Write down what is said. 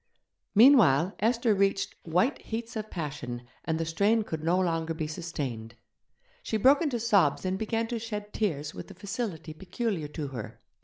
Meanwhile Esther reached white heats of passion, and the strain could no longer be sustained. She broke into sobs and began to shed tears with the facility peculiar to her.